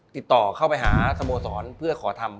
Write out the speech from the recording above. ติดต่อเข้าไปหาสโมสรเพื่อขอทำ